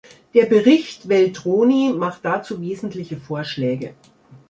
Der Bericht Veltroni macht dazu wesentliche Vorschläge.